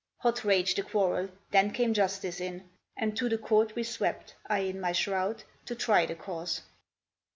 Hot raged the quarrel; then came Justice in, And to the court we swept I in my shroud To try the cause.